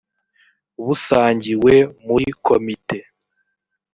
busangiwe muri komite